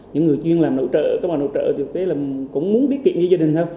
những người chuyên làm nội trợ các bà nội trợ thực tế cũng muốn tiết kiệm cho gia đình thôi